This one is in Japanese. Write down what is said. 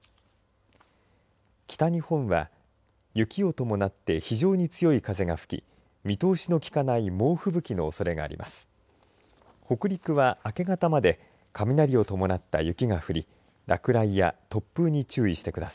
北日本は雪を伴って非常に強い風が吹き見通しの利かない猛吹雪のおそれがあります。